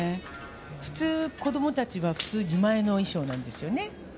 普通、子どもたちは自前の衣装なんですよね。